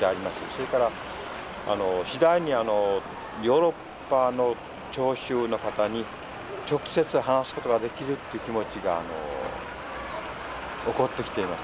それからあの次第にあのヨーロッパの聴衆の方に直接話すことができるという気持ちが起こってきています。